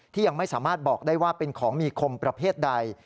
ยังไม่สามารถบอกได้ว่าเป็นของมีคมประเภทใด